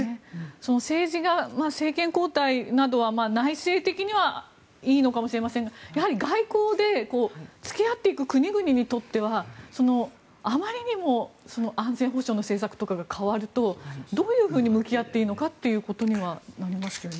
その政治が政権交代などは内政的にはいいのかもしれませんが外交で付き合っていく国々にとってはあまりにも安全保障の政策とかが変わるとどういうふうに向き合っていいのかということになりますよね。